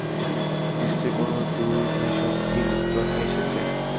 নিশ্চয় কোন দূরভিসন্ধির জন্যে এসেছে।